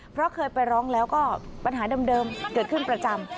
เพราะเคยไปร้องแล้วก็ปัญหาเดิมเกิดขึ้นประจำ